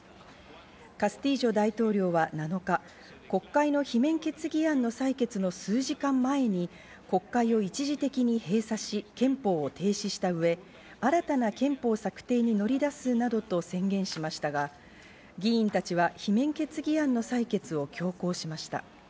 カスティージョ大統領は７日、国会の罷免決議案の採決の数時間前に、国会を一時的に閉鎖し、憲法を停止した上、新たな憲法策定に乗り出すなどと宣言しましたが、議員たちは罷免決議案の採決を強行しました。